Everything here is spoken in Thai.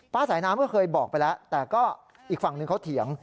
สายน้ำก็เคยบอกไปแล้วแต่ก็อีกฝั่งหนึ่งเขาเถียง